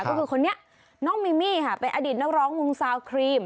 ก็คือคนนี้น้องมิมี่ค่ะเป็นอดีตนักร้องวงซาวครีม